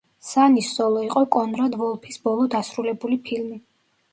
სანის სოლო იყო კონრად ვოლფის ბოლო დასრულებული ფილმი.